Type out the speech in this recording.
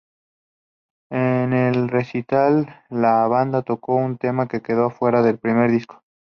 En el recital, la banda tocó un tema que quedó afuera del primer disco.